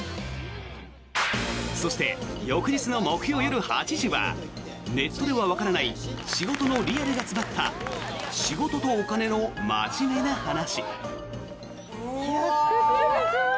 そして、翌日の木曜夜８時はネットではわからない仕事のリアルが詰まった「仕事とお金のマジメな話」。